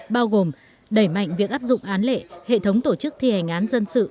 bao gồm đẩy mạnh việc áp dụng án lệ hệ thống tổ chức thi hành án dân sự